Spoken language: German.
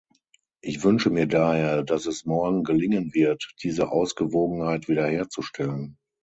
Ich wünsche mir daher, dass es morgen gelingen wird, diese Ausgewogenheit wiederherzustellen.